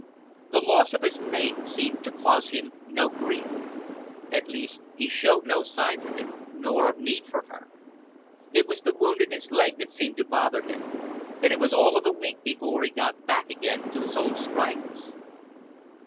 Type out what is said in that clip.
The loss of his mate seemed to cause him no grief. At least he showed no signs of it, nor of need for her. It was the wound in his leg that seemed to bother him, and it was all of a week before he got back again to his old spryness.